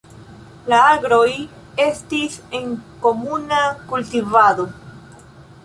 La agroj estis en komuna kultivado.